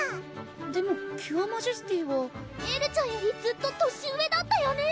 でもキュアマジェスティはエルちゃんよりずっと年上だったよね